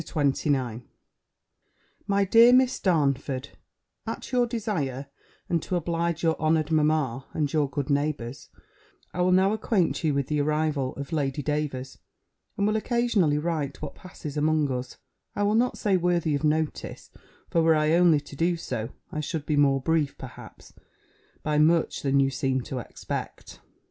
LETTER XXIX MY DEAR MISS DARNFORD, At your desire, and to oblige your honoured mamma, and your good neighbours, I will now acquaint you with the arrival of Lady Davers, and will occasionally write what passes among us, I will not say worthy of notice; for were I only to do so, I should be more brief, perhaps, by much, than you seem to expect.